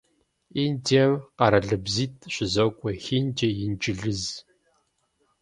Индием къэралыбзитӀ щызокӀуэ: хинди, инджылыз.